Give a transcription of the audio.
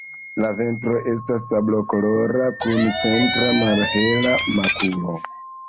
La ventro estas sablokolora kun centra malhela makulo.